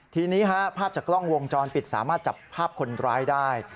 ทีนี้ภาพจากกล้องวงจรปิดสามารถจับภาพคนร้ายได้